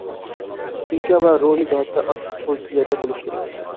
پىسخىكا ۋە روھىي جەھەتتە ئاكتىپ پوزىتسىيەدە بولۇش كېرەك.